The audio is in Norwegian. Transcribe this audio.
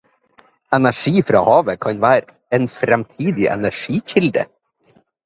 Energi fra havet kan være en fremtidig energikilde.